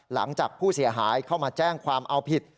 หลังจากผู้เสียหายเข้ามาแจ้งความเอาผิด